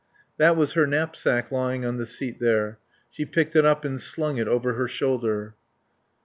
That was her knapsack lying on the seat there. She picked it up and slung it over her shoulder.